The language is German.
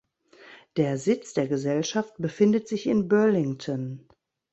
Der Sitz der Gesellschaft befindet sich in Burlington.